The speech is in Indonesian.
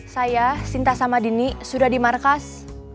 saya sinta sama dini sudah di markas